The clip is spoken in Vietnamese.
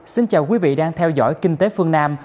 xin chào quý vị đang theo dõi kinh tế phương nam